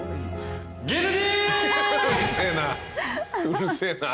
うるせえな。